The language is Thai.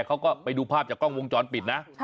เขาก็ไปดูภาพจากกล้องวงจรปิดนะ